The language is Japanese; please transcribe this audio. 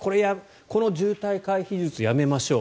この渋滞回避術やめましょう。